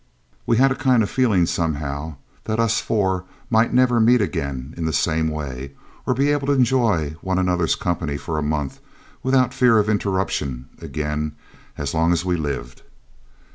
We had a kind of feeling somehow that us four might never meet again in the same way, or be able to enjoy one another's company for a month, without fear of interruption, again, as long as we lived.